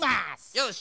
よし！